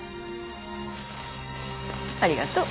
ありがとう。